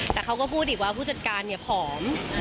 แต่เขาก็พูดอีกว่าผู้จัดการเนี่ยผอม